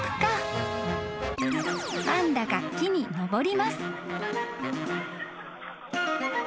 ［パンダが木に登ります］